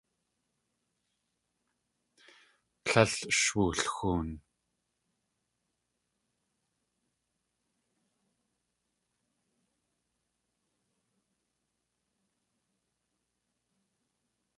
Tlél sh wulxoon.